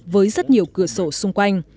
với rất nhiều cửa sổ xung quanh